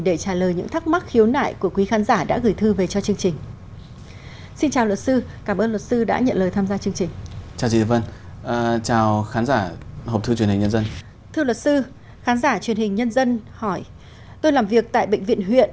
để trả lời những thắc mắc khiếu nại của quý khán giả đã gửi thư về cho chương trình